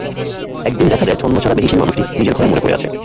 একদিন দেখা যায়, ছন্নছাড়া বেহিসেবি মানুষটি নিজের ঘরে মরে পড়ে আছে।